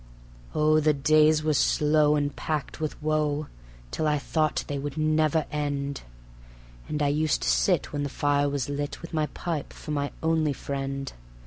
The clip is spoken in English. Oh, the days were slow and packed with woe, till I thought they would never end; And I used to sit when the fire was lit, with my pipe for my only friend.